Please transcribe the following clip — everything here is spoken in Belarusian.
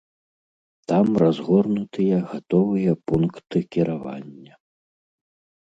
Там разгорнутыя гатовыя пункты кіравання.